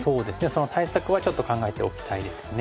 その対策はちょっと考えておきたいですよね。